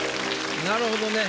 なるほどね。